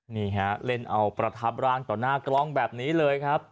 นี่ฮะเล่นเอาประทับร่างต่อหน้ากล้องแบบนี้เลยครับ